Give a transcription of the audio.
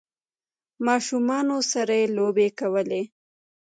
ماشومانو سره یی لوبې کولې